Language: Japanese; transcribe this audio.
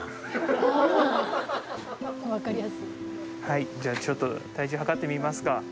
はいじゃあちょっと体重測ってみますか。